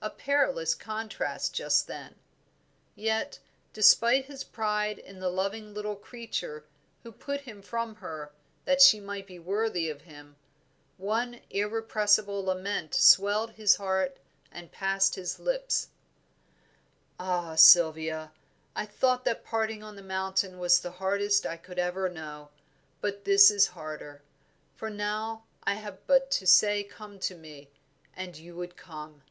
a perilous contrast just then. Yet, despite his pride in the loving little creature who put him from her that she might be worthy of him, one irrepressible lament swelled his heart and passed his lips "Ah, Sylvia! I thought that parting on the mountain was the hardest I could ever know, but this is harder; for now I have but to say come to me, and you would come."